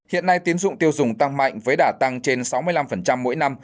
hiện nay tiến dụng tiêu dùng tăng mạnh với đả tăng trên sáu mươi năm mỗi năm